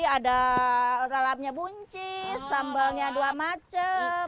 ada lalapnya buncis sambalnya dua macam